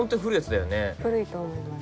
古いと思います。